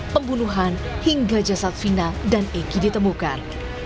pembunuhan hingga jasad fina dan egy ditemukan